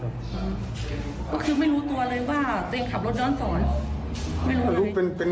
ก็คือไม่รู้ตัวเลยว่าตัวเองขับรถเดินศร